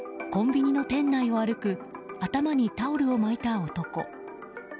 コンビニの店内を歩く頭にタオルを巻いた男。